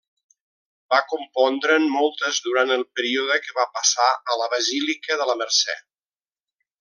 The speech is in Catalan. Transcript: Va compondre'n moltes durant el període que va passar a La Basílica de la Mercè.